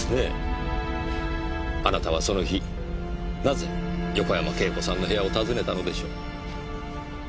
あなたはその日なぜ横山慶子さんの部屋を訪ねたのでしょう。